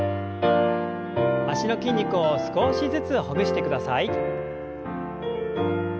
脚の筋肉を少しずつほぐしてください。